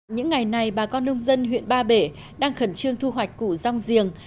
những ngày này bà con nông dân huyện ba bể đang khẩn trương thu hoạch củ rong giềng